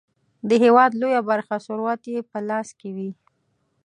د هیواد لویه برخه ثروت یې په لاس کې وي.